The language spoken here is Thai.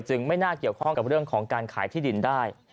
ไม่น่าเกี่ยวข้องกับเรื่องของการขายที่ดินได้